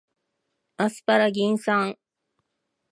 アスパラギン酸